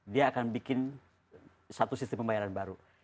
dia akan bikin satu sistem pembayaran baru